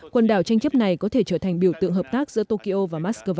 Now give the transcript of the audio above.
quần đảo tranh chấp này có thể trở thành biểu tượng hợp tác giữa tokyo và moscow